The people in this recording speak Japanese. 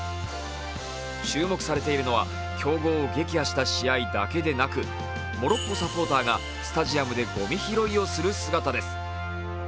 注目されているのは強豪を撃破した試合だけではなく、モロッコサポーターがスタジアムでごみ拾いをする姿です。